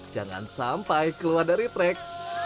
jangan sampai keluar dari track